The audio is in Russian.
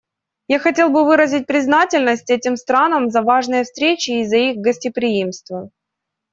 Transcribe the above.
Я хотел бы выразить признательность этим странам за важные встречи и за их гостеприимство.